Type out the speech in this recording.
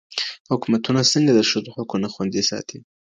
حکومتونه څنګه د ښځو حقونه خوندي ساتي؟